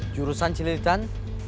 jurusan cililitan dua